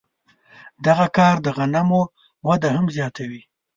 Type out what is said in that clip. دغه کار د غنمو وده هم زیاتوله.